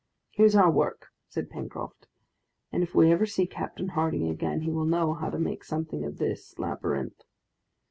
"Here's our work," said Pencroft, "and if we ever see Captain Harding again, he will know how to make something of this labyrinth."